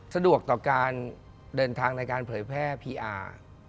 สะดวกต่อการเดินทางในการเผยแพร่พีอาร์